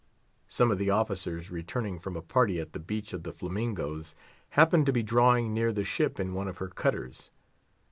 Some of the officers, returning from a party at the Beach of the Flamingoes, happened to be drawing near the ship in one of her cutters.